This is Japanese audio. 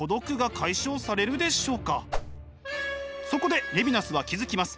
そこでレヴィナスは気付きます。